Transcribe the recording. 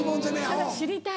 ただ知りたい。